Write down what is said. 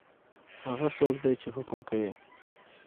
هغه څوک دی چی حکم کوي؟